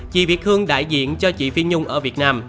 chị việt hương đại diện cho chị phi nhung ở việt nam